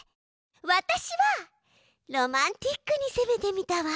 私はロマンティックにせめてみたわ。